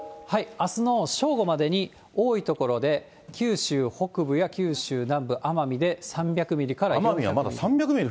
あすの正午までに、多い所で九州北部や九州南部、奄美で３００ミリから４００ミリ。